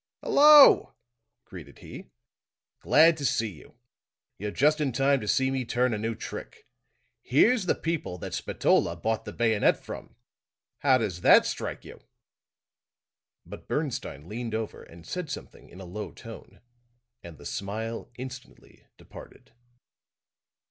"Hello!" greeted he. "Glad to see you. You're just in time to see me turn a new trick. Here's the people that Spatola bought the bayonet from. How does that strike you?" But Bernstine leaned over and said something in a low tone; and the smile instantly departed.